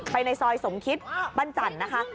ไปในซอยสมคิตบรรจันทร์